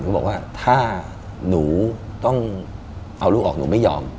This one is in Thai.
เกือบว่าถ้าหนูต้องเอารู้ออกนี่หนูไม่ยอม